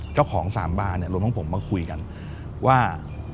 เจ้าของสามบานเนี่ยรวมทั้งผมมาคุยกันว่า